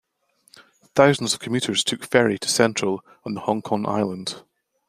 Thousands of commuters took ferry to Central on the Hong Kong Island.